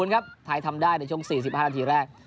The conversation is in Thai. ครับไทยทำได้ในช่วง๔๕นาทีแรก